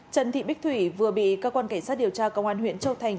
trần thị bích thủy vừa bị cơ quan cảnh sát điều tra công an huyện châu thành